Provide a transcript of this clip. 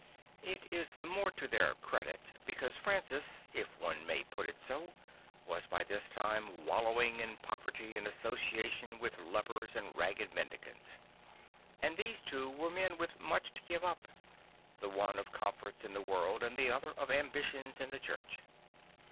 It is the more to their credit because Francis" if one may put it so, was by this time wallowing in poverty and association with lepers and ragged mendi cants; and these two were men with much to give up; the one of comforts in the world and the other of ambition in the Church.